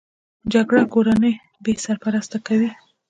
جګړه کورنۍ بې سرپرسته کوي